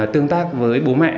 tương tác với bố mẹ